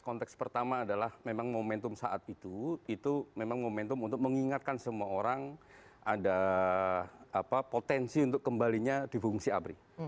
konteks pertama adalah memang momentum saat itu itu memang momentum untuk mengingatkan semua orang ada potensi untuk kembalinya di fungsi abri